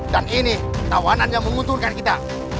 dan ini tawanan yang membutuhkan kita